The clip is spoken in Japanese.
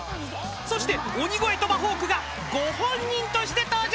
［そして鬼越トマホークがご本人として登場！］